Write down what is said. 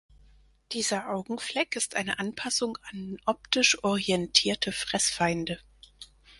Dieser Augenfleck ist eine Anpassung an optisch orientierte Fressfeinde.